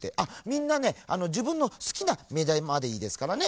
みんなねじぶんのすきなめだまでいいですからね。